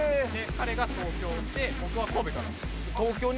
彼が東京で僕は神戸から。